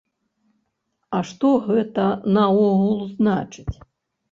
А што гэта наогул значыць?